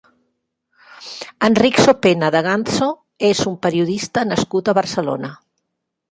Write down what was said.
Enric Sopena Daganzo és un periodista nascut a Barcelona.